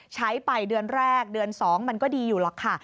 ใช้ไปเดือนแรกเดือน๒มันก็ดีอยู่หรอกค่ะ